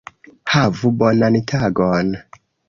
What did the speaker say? Havu bonan tagon!